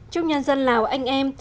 chúc nhân dân lào anh em